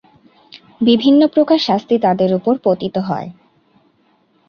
বিভিন্ন প্রকার শাস্তি তাদের উপর পতিত হয়।